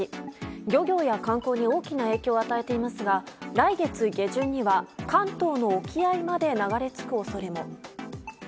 漁業や観光に大きな影響を与えていますが来月下旬には関東の沖合まで流れ着く恐れも。